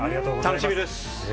楽しみです。